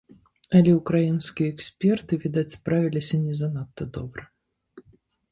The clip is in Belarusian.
Але ўкраінскія эксперты, відаць, справіліся не занадта добра.